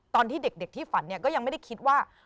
ตอนที่เด็กที่ฝันก็ยังไม่ได้คิดว่า